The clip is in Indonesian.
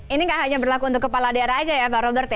ini nggak hanya berlaku untuk kepala daerah saja ya pak robert ya